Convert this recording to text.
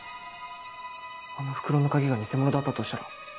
あの袋の鍵が偽物だったとしたら。